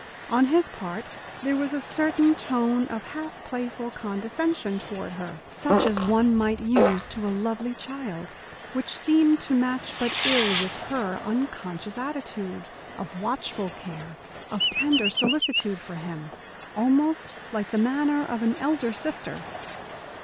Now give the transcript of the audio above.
On his part there was a certain tone of half playful condescension toward her such as one might use to a lovely child, which seemed to match but ill with her unconscious attitude of watchful care, of tender solicitude for him almost like the manner of an elder sister.